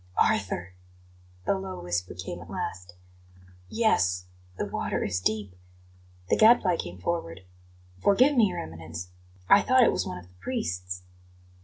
"Arthur!" the low whisper came at last; "yes, the water is deep " The Gadfly came forward. "Forgive me, Your Eminence! I thought it was one of the priests."